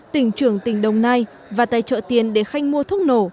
tỉnh trưởng tỉnh đồng nai và tài trợ tiền để khanh mua thuốc nổ